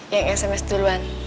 yang sms duluan